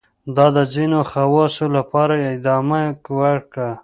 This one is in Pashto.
دا د ځینو خواصو لپاره ادامه وکړه.